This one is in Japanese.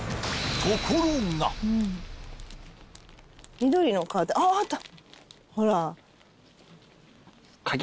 緑のカーテンあっあった。